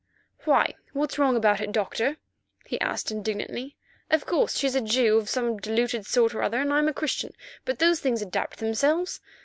"Why? What's wrong about it, Doctor?" he asked indignantly. "Of course, she's a Jew of some diluted sort or other, and I'm a Christian; but those things adapt themselves.